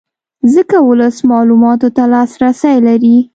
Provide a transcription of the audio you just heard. ځکه ولس معلوماتو ته لاسرې لري